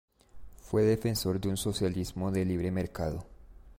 Fue defensor de un socialismo de libre mercado.